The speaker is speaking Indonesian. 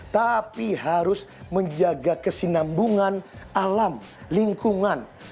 tapi harus menjaga kesinambungan alam lingkungan